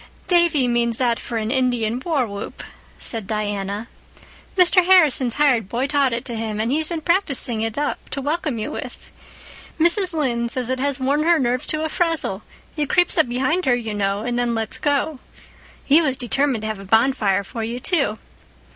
"Davy means that for an Indian war whoop," said Diana. "Mr. Harrison's hired boy taught it to him, and he's been practicing it up to welcome you with. Mrs. Lynde says it has worn her nerves to a frazzle. He creeps up behind her, you know, and then lets go. He was determined to have a bonfire for you, too.